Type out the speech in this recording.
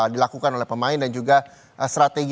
dilakukan oleh pemain dan juga strategi